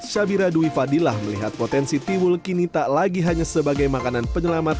syabira dwi fadilah melihat potensi tiwul kini tak lagi hanya sebagai makanan penyelamat